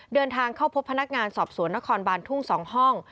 เดินทางเข้าพบพนักงานสอบสวนนครบานทุ่ง๒ห้อง